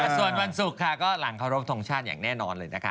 ส่วนวันศุกร์ค่ะก็หลังเคารพทงชาติอย่างแน่นอนเลยนะคะ